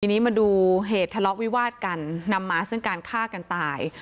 ทีนี้มาดูเหตุทะเลาะวิวาดกันนำมาซึ่งการฆ่ากันตาย